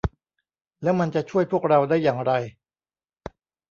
แล้วมันจะช่วยพวกเราได้อย่างไร